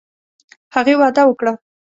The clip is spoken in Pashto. هغې وعده وکړه.